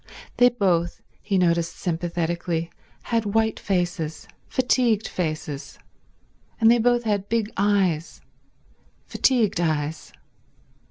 They both, he noticed sympathetically, had white faces, fatigued faces, and they both had big eyes, fatigued eyes.